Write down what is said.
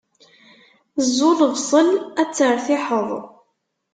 Ẓẓu lebṣel, ad tertiḥeḍ.